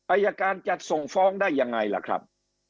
อายการจัดส่งฟ้องได้ยังไงล่ะครับ